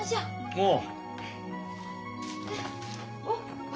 おう。